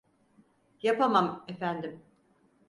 Yapamam, efendim.